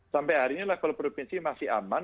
sampai hari ini level provinsi masih aman